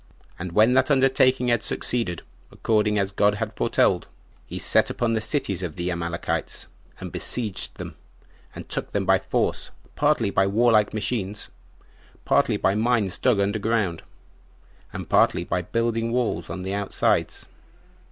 And when that undertaking had succeeded, according as God had foretold, he set upon the cities of the Amalekites; he besieged them, and took them by force, partly by warlike machines, partly by mines dug under ground, and partly by building walls on the outsides.